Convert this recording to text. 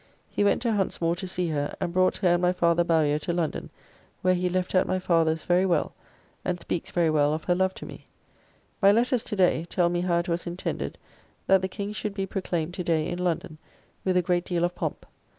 He went to Huntsmore to see her, and brought her and my father Bowyer to London, where he left her at my father's, very well, and speaks very well of her love to me. My letters to day tell me how it was intended that the King should be proclaimed to day in London, with a great deal of pomp.